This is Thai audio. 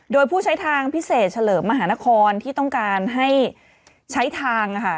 โดยผู้ใช้ทางพิเศษเฉลิมมหานครที่ต้องการให้ใช้ทางค่ะ